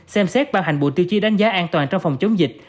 xem xét ban hành bộ tiêu chí đánh giá an toàn trong phòng chống dịch